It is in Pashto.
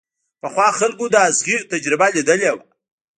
پخوا خلکو د ازغي تجربه ليدلې وه.